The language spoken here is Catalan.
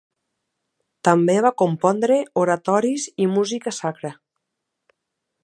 També va compondre oratoris i música sacra.